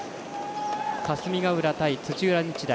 霞ヶ浦対土浦日大。